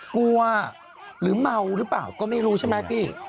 กลัวหรือเมาหรือเปล่าก็ไม่รู้ใช่ไหมพี่